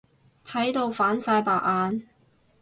睇到反晒白眼。